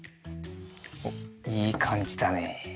おっいいかんじだね。